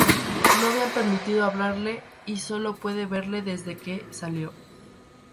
No habían permitido hablarle y solo pude verle desde que salió.